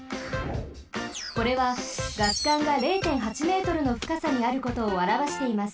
これはガス管が０．８Ｍのふかさにあることをあらわしています。